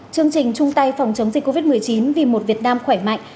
chương trình chung tay phòng chống dịch covid một mươi chín vì một việt nam khỏe mạnh